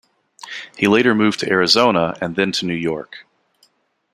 He later moved to Arizona, and then to New York.